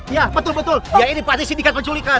iya betul betul ya ini pak tisidikat penculikan